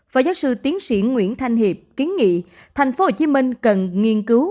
phó giáo sư tiến sĩ nguyễn thanh hiệp kiến nghị thành phố hồ chí minh cần nghiên cứu